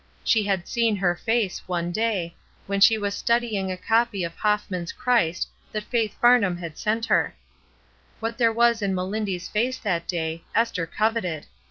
She had seen her face, one day, when she was study ing a copy of Hoffman's Christ that Faith Farn ham had sent her. What there was in Melindy's face that day, Esther coveted.